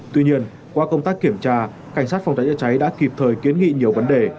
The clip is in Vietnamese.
tuy nhiên qua công tác kiểm tra cảnh sát phòng cháy chữa cháy đã kịp thời kiến nghị nhiều vấn đề